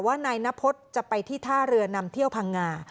ว่านายนพฤษจะไปที่ท่าเรือนำเที่ยวพังงา